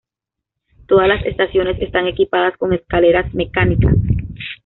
Todas las estaciones están equipadas con escaleras mecánicas.